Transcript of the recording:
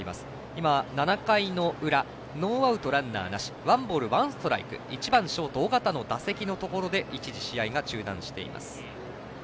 今、７回の裏ノーアウト、ランナーなしワンボール、ワンストライク１番、ショート緒方の打席のところで一時、試合が中断しています。